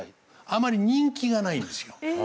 あまり人気がないんですよ。